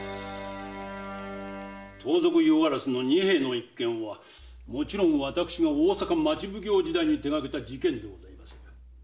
盗賊・夜鴉の仁兵衛の一件はもちろん私が大坂町奉行時代に手がけた事件でございます。